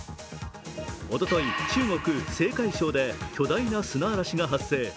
おととい、中国・青海省で巨大な砂嵐が発生。